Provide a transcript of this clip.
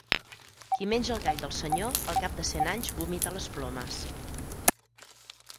Qui menja el gall del senyor al cap de cent anys vomita les plomes.